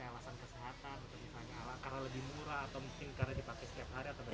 ada alasan kesehatan karena lebih murah atau mungkin karena dipakai setiap hari